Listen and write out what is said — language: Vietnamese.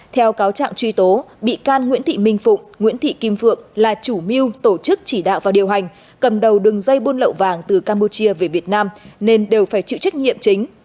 theo cáo trạng truy tố bị can nguyễn thị minh phụng nguyễn thị kim phượng là chủ mưu tổ chức chỉ đạo và điều hành cầm đầu đường dây buôn lậu vàng từ campuchia về việt nam nên đều phải chịu trách nhiệm chính